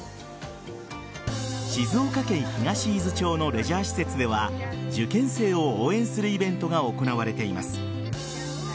静岡県東伊豆町のレジャー施設では受験生を応援するイベントが行われています。